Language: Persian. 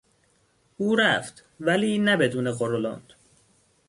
او رفت ولی نه بدون غرولند.